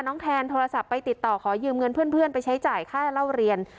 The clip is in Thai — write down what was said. แทนโทรศัพท์ไปติดต่อขอยืมเงินเพื่อนไปใช้จ่ายค่าเล่าเรียน